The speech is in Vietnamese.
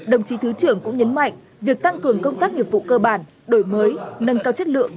đồng chí thứ trưởng cũng nhấn mạnh việc tăng cường công tác nghiệp vụ cơ bản đổi mới nâng cao chất lượng